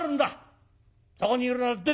そこにいるなら出てこい。